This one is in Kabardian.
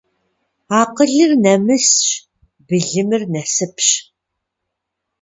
Акъылыр нэмысщ, былымыр насыпщ.